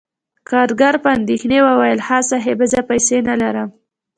کارګر په اندیښنې وویل: "ښه، صاحب، زه پیسې نلرم..."